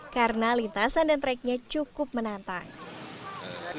karena lintasan dan tracknya cukup menantang